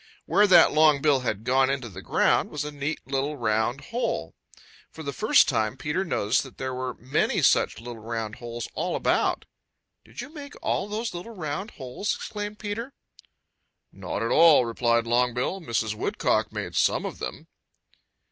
Where that long bill had gone into the ground was a neat little round hole. For the first time Peter noticed that there were many such little round holes all about. "Did you make all those little round holes?" exclaimed Peter. "Not at all," replied Longbill. "Mrs. Woodcock made some of them."